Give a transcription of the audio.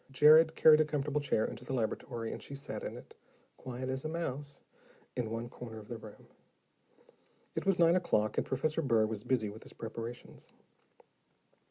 Jared carried a comfortable chair into the laboratory and she sat in it, quiet as a mouse, in one corner of the room. It was nine o'clock, and Professor Burr was busy with his preparations.